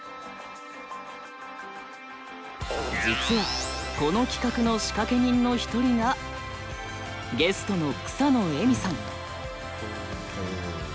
実はこの企画の仕掛け人の一人がゲストの草野絵美さん。